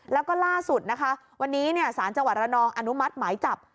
แล้วก็ล่าสุดวันนี้สจระนองอนุมัติหมายจับ